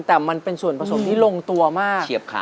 แต่มันเป็นส่วนประสบที่ลงตัวมาก